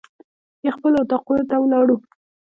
بیا خپلو اطاقونو ته ولاړو.